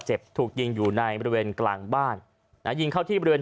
ถูกยิงอยู่ในบริเวณกลางบ้านนะยิงเข้าที่บริเวณ